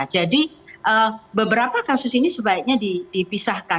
jadi beberapa kasus ini sebaiknya dipisahkan